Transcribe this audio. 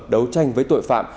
đấu tranh với tội phạm